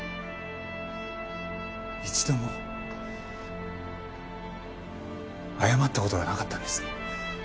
一度も謝った事がなかったんです。